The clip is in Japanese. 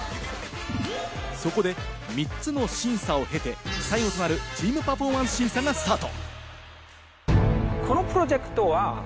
そこで３つの審査を経て、最後となるチーム・パフォーマンス審査がスタート。